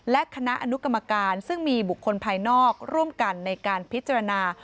และคณะอนุกรรมการซึ่งมีบุคคลภายนอกร่วมกันในการพิจารณา